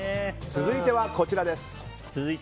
続いては、こちらです。